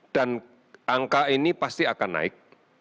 dan angka ini pasti akan naik